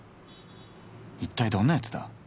一体どんなやつだ？